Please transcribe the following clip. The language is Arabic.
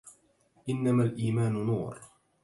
إنما الإيمان نور